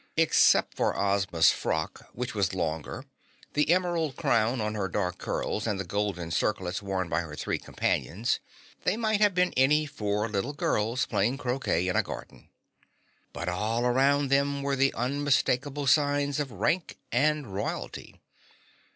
Except for Ozma's frock, which was longer, the emerald crown on her dark curls, and the golden circlets worn by her three companions, they might have been any four little girls playing croquet in a garden. But all around were the unmistakable signs of rank and royalty.